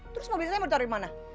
terus mobil saya mau ditaruh dimana